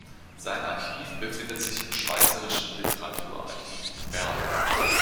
Sein Archiv befindet sich im Schweizerischen Literaturarchiv in Bern.